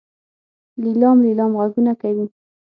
لیلام لیلام غږونه کوي.